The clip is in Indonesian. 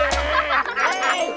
atau yang lain